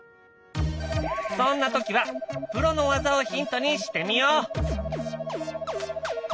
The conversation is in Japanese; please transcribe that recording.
そんな時はプロの技をヒントにしてみよう！